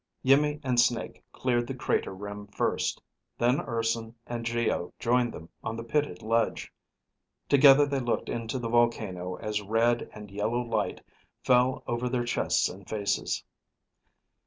Iimmi and Snake cleared the crater rim first; then Urson and Geo joined them on the pitted ledge. Together they looked into the volcano as red and yellow light fell over their chests and faces.